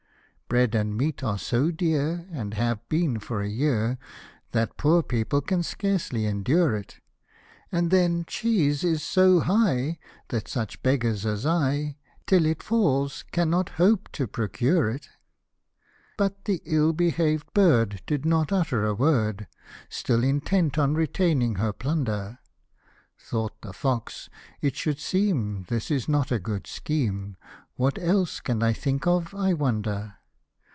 " Bread and meat are so dear, and have been for a year, That poor people can scarcely endure it ; And then cheese is so high, that such beggars as I, Till it falls, cannot hope to procure it." But the ill behaved bird did not utter a word, Still intent on retaining her plunder ; Thought the fox, " it should seem this is not a good scheme, What else can I think of, I wonder